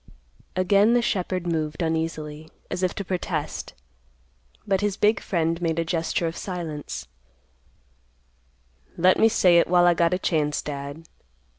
Again the shepherd moved uneasily, as if to protest, but his big friend made a gesture of silence; "Let me say it while I got a chance, Dad."